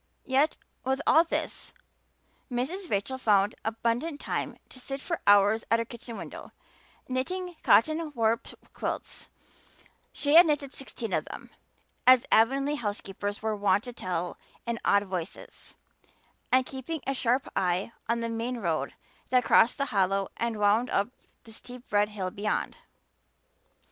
Yet with all this Mrs. Rachel found abundant time to sit for hours at her kitchen window, knitting "cotton warp" quilts she had knitted sixteen of them, as Avonlea housekeepers were wont to tell in awed voices and keeping a sharp eye on the main road that crossed the hollow and wound up the steep red hill beyond.